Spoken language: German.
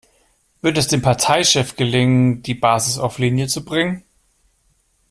Wird es dem Parteichef gelingen, die Basis auf Linie zu bringen?